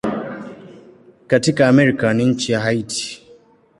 Katika Amerika ni nchi ya Haiti.